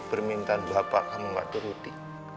permintaan bapak kamu gak turuti